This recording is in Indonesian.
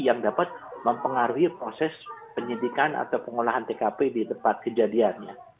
yang dapat mempengaruhi proses penyidikan atau pengolahan tkp di tempat kejadiannya